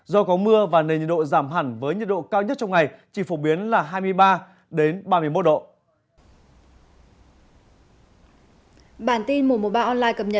do có mưa và nền nhiệt độ giảm hẳn với nhiệt độ cao nhất trong ngày chỉ phổ biến là hai mươi ba ba mươi một độ